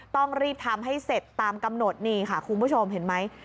ต้องรีบทำให้เสร็จตามกำหนดนี่ค่ะคุณผู้ชมเห็นไหม